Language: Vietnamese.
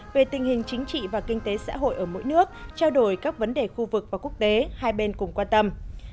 về tình hình chính trị và kinh tế xã hội ở mỗi nước trao đổi các vấn đề khu vực và quốc tế hai bên cùng quan tâm